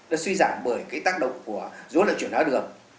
nó suy giảm bởi cái tác động của dối lại chuyển hóa đường